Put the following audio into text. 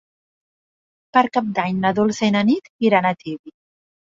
Per Cap d'Any na Dolça i na Nit iran a Tibi.